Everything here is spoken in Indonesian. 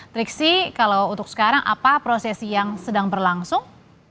triksi kalau untuk sekarang apa prosesi yang sedang berlangsung